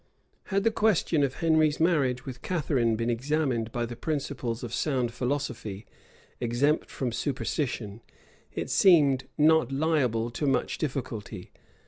5 Had the question of Henry's marriage with Catharine been examined by the principles of sound philosophy, exempt from superstition, it seemed not liable to much difficulty.